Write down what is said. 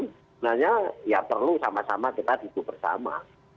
sebenarnya ya perlu sama sama kita duduk bersama